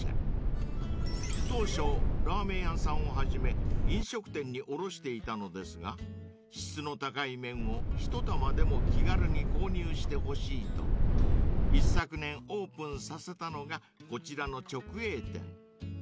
［当初ラーメン屋さんをはじめ飲食店に卸していたのですが質の高い麺を１玉でも気軽に購入してほしいと一昨年オープンさせたのがこちらの直営店］